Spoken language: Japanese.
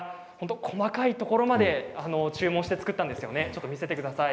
細かいところまで注文して作ったんですね。